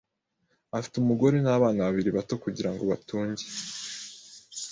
Afite umugore nabana babiri bato kugirango batunge.